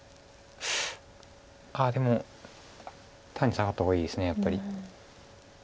ああでも単にサガった方がいいですやっぱり。